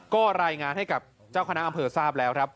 ก็รายงานให้กับเจ้าคณะอำเภอทราบแล้วครับ